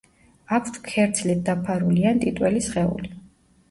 აქვთ ქერცლით დაფარული ან ტიტველი სხეული.